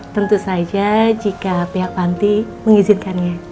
tentu saja jika pihak panti mengizinkannya